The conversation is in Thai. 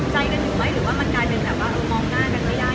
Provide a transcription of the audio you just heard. เพราะว่าไม่ได้มีอะไรต้องการได้อยู่นะครับ